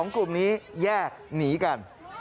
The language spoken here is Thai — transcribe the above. กลุ่มนี้แยกหนีกัน